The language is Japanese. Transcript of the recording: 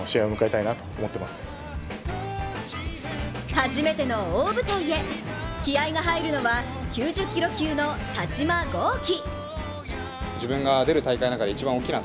初めての大舞台へ気合いが入るのは９０キロ級の田嶋剛希。